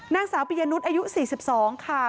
นางสาวปิยนุษย์อายุ๔๒ค่ะ